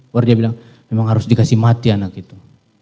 baru dia bilang memang harus dikasih mati anak itu